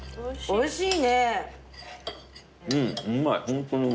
おいしい。